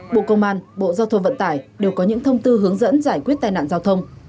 bộ công an bộ giao thông vận tải đều có những thông tư hướng dẫn giải quyết tai nạn giao thông